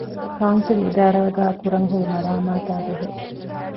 ކައުންސިލް އިދާރާގައި ކުރަންހުރި މަރާމާތާބެހޭ